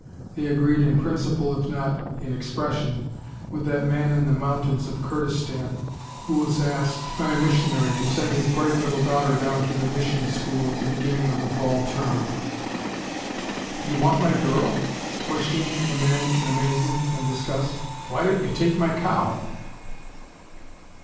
They agreed in principle if not in expression with that man in the mountains of Kurdistan who was asked by a missionary to send his bright little daughter down to the mission school at the beginning of the fall term. "Do you want my girl?" questioned the man in amazement and disgust. "Why don't you take my cow?"